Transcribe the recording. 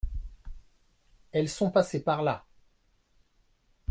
Elles sont passées par là.